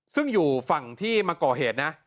ซึ่งอยู่ฝั่งที่มาก่อเหตุนะ